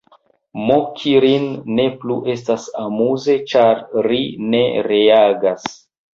Moki rin ne plu estas amuze ĉar ri ne reagas.